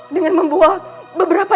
dengan membawa beberapa